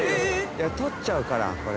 いや撮っちゃうからこれ。